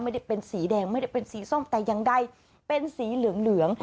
ไม่ได้เป็นสีแดงไม่ได้เป็นสีส้มแต่อย่างใดเป็นสีเหลือง